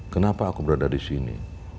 kenapa aku berada di sini